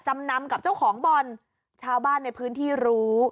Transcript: จำนำกับเจ้าของบ่อนชาวบ้านในพื้นที่รู้